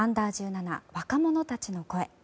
若者たちの声。